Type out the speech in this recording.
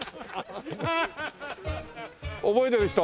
覚えてる人？